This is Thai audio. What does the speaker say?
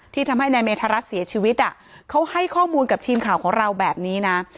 ทำให้นายเมธารัฐเสียชีวิตเขาให้ข้อมูลกับทีมข่าวของเราแบบนี้นะ